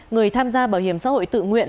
người tham gia bảo hiểm xã hội tự nguyện